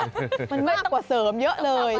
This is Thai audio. มันมากกว่าเสริมเยอะเลย